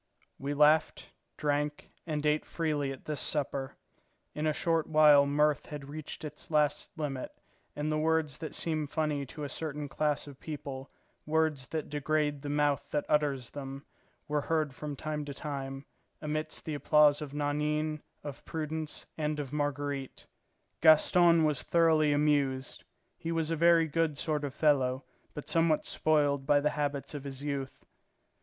We laughed, drank, and ate freely at this supper. In a short while mirth had reached its last limit, and the words that seem funny to a certain class of people, words that degrade the mouth that utters them, were heard from time to time, amidst the applause of Nanine, of Prudence, and of Marguerite. Gaston was thoroughly amused; he was a very good sort of fellow, but somewhat spoiled by the habits of his youth.